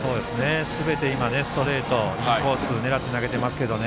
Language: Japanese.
すべてストレートインコースに狙って投げてます。